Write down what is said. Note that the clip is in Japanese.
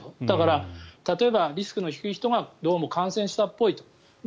だから、例えばリスクの低い人がどうも感染したっぽいと。